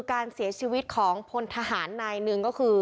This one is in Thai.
การเสียชีวิตของพลทหารนายหนึ่งก็คือ